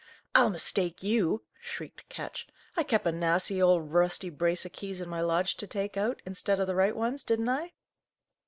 "I'll 'mistake' you!" shrieked Ketch. "I kep' a nasty old, rusty brace o' keys in my lodge to take out, instead o' the right ones, didn't I?"